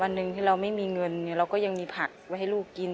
หนึ่งที่เราไม่มีเงินเราก็ยังมีผักไว้ให้ลูกกิน